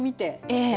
ええ。